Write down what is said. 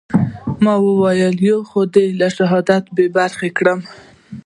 ما وويل يو خو دې له شهادته بې برخې کړم.